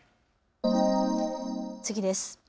次です。